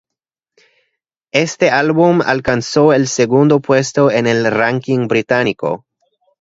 Este álbum alcanzó el segundo puesto en el ranking británico.